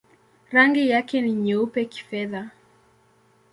Rangi yake ni nyeupe-kifedha.